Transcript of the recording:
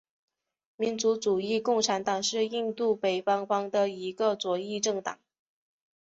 民族主义共产党是印度北方邦的一个左翼政党。